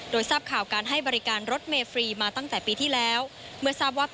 โดยทราบข่าวการให้บริการรถเมฟรีมาตั้งแต่ปีที่แล้ว